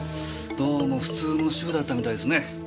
どうも普通の主婦だったみたいですね。